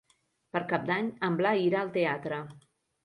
Per Cap d'Any en Blai irà al teatre.